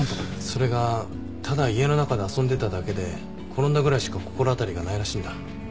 それがただ家の中で遊んでただけで転んだぐらいしか心当たりがないらしいんだ。